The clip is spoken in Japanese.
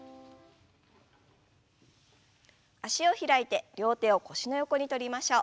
脚を開いて両手を腰の横にとりましょう。